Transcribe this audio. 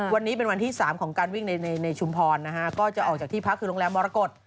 วันนี้เป็นวันที่๓ของการวิ่งในชุมพรนะฮะก็จะออกจากที่พักคือโรงแรมมรกฏ